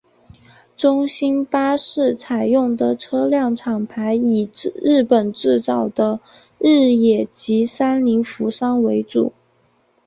中兴巴士采用的车辆厂牌以日本制造的日野及三菱扶桑为主。